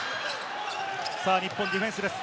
日本ディフェンスです。